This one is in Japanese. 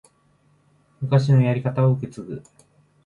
昔のやり方を受け継ぐ